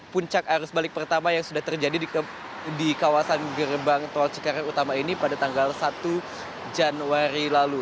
puncak arus balik pertama yang sudah terjadi di kawasan gerbang tol cikarang utama ini pada tanggal satu januari lalu